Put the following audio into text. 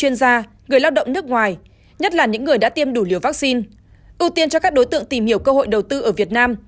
chuyên gia người lao động nước ngoài nhất là những người đã tiêm đủ liều vaccine ưu tiên cho các đối tượng tìm hiểu cơ hội đầu tư ở việt nam